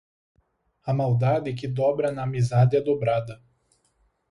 A maldade que dobra na amizade é dobrada.